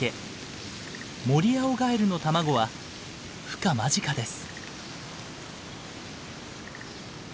モリアオガエルの卵はふ化間近です。